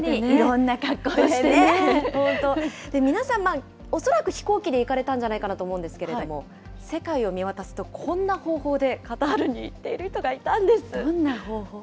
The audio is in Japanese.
皆さんは恐らく飛行機で行かれたんじゃないかなと思いますけれども、世界を見渡すとこんな方法でカタールに行っている人がいたんです。